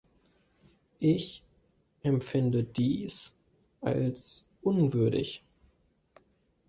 Ich empfinde dies als unwürdig.